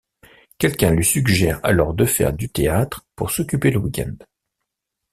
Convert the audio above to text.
Quelqu'un lui suggère alors de faire du théâtre pour s'occuper le week-end.